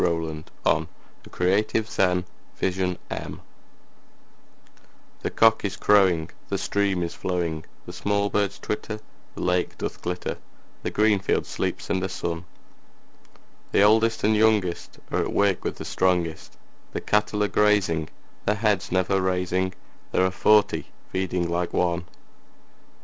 William Wordsworth Written in March THE cock is crowing, The stream is flowing, The small birds twitter, The lake doth glitter The green field sleeps in the sun; The oldest and youngest Are at work with the strongest; The cattle are grazing, Their heads never raising; There are forty feeding like one!